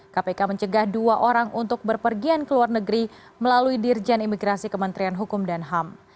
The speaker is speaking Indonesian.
kpk mencegah dua orang untuk berpergian ke luar negeri melalui dirjen imigrasi kementerian hukum dan ham